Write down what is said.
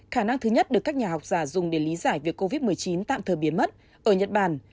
khả năng thứ nhất được các nhà học giả dùng để lý giải việc covid một mươi chín tạm thời biến mất ở nhật bản